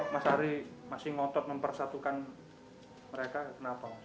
mas ari masih ngotot mempersatukan mereka kenapa